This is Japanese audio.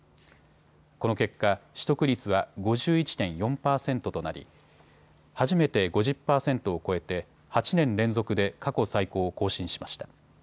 この結果、取得率は５１．４％となり初めて５０％を超えて８年連続で過去最高を更新しました。